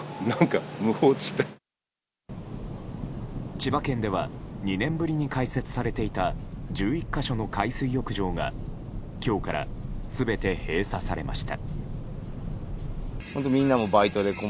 千葉県では２年ぶりに開設されていた１１か所の海水浴場が今日から全て閉鎖されました。